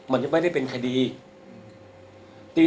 ยังไม่ได้เป็นคดี